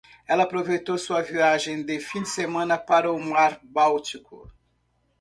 Ela aproveitou sua viagem de fim de semana para o mar báltico.